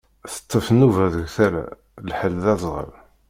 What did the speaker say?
Teṭṭef nnuba deg tala, lḥal d azɣal.